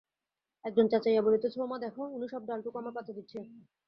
একজন চেঁচাইয়া বলিতেছে, ও মা দেখো, উমি সব ডালটুকু আমার পাতে দিচ্ছে!